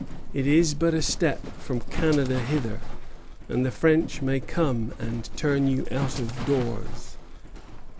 It is but a step from Canada hither, and the French may come and turn you out of doors.